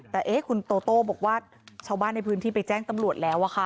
แต่คุณโตโต้บอกว่าชาวบ้านในพื้นที่ไปแจ้งตำรวจแล้ว